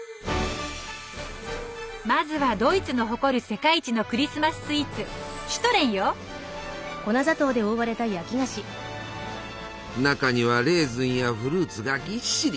まずはドイツの誇る世界一のクリスマススイーツ中にはレーズンやフルーツがぎっしり。